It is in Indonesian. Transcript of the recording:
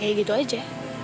kayak gitu aja